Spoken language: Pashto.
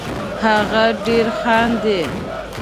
هغه ډېر خاندي